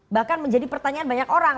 bahkan menjadi pertanyaan banyak orang